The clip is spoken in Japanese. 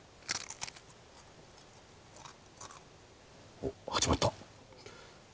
おっ始まった。